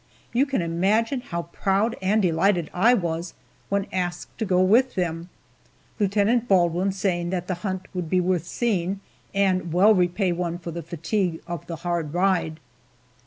You can imagine how proud and delighted I was when asked to go with them. Lieutenant Baldwin saying that the hunt would be worth seeing, and well repay one for the fatigue of the hard ride.